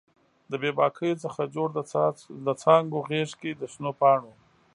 د بې باکیو څخه جوړ د څانګو غیږ کې د شنو پاڼو